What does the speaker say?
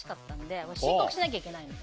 申告しなきゃいけないので。